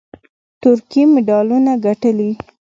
ترکیې مډالونه ګټلي